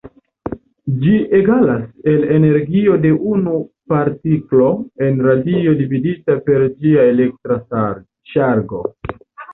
Ĝi egalas el energio de unu partiklo en radio dividita per ĝia elektra ŝargo.